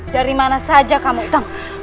dari mana saja kamu itu